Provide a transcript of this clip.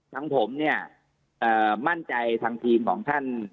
ทั้งผมเนี่ยเอ่อมั่นใจจริงมากของท่าน